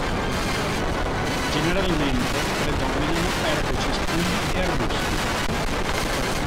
Generalmente predominano erbe, cespugli e arbusti.